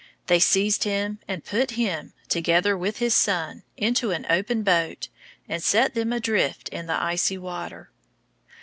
They seized him and put him, together with his son, into an open boat, and set them adrift in the icy water.